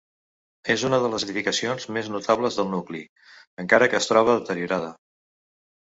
És una de les edificacions més notables del nucli, encara que es troba deteriorada.